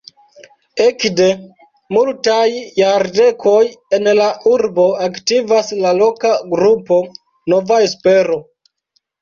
Ekde multaj jardekoj en la urbo aktivas la loka grupo "Nova Espero".